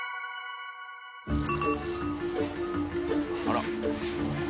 あら。